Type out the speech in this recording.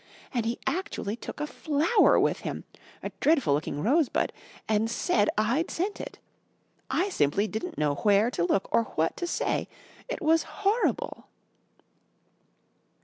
And he actually took a flower with him a dreadful looking rosebud and said I'd sent it. I simply didn't know where to look or what to say. It was horrible!"